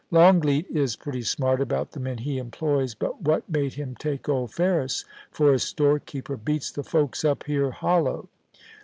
Longleat is pretty smart about the men he employs, but what made him take old Ferris for his storekeeper beats the folks up here hollow